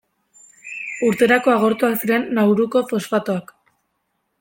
Urterako agortuak ziren Nauruko fosfatoak.